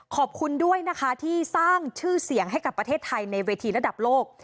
ขอบคุณด้วยนะคะที่สร้างชื่อเสียงให้กับประเทศไทยในเวทีระดับโลก